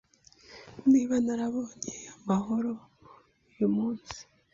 Niba narabonye amahoro yuyumunsi